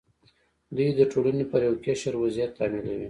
دوی د ټولنې پر یو قشر وضعیت تحمیلوي.